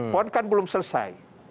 pon kan belum selesai